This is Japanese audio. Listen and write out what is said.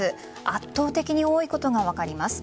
圧倒的に多いことが分かります。